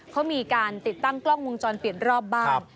เขามีการติดตั้งกล้องวงจรปิดรอบบ้าน